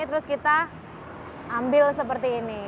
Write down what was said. terus kita ambil seperti ini